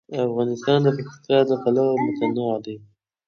افغانستان د پکتیکا له پلوه متنوع دی.